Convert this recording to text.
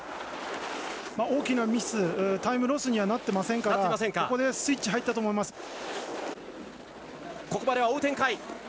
大きなミス、タイムロスにはなっていませんからここでスイッチ入ったと思います。